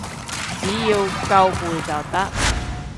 只要夠攰就得